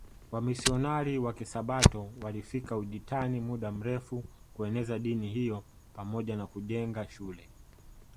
Wamisionari wa Kisabato walifika Ujitani muda mrefu kueneza dini hiyo pamoja na kujenga shule